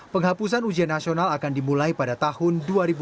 penghapusan ujian nasional akan dimulai pada tahun dua ribu dua puluh